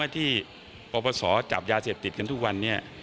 ที่ประสอบจับยาเสพติดกันทุกวัน